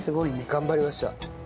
頑張りました。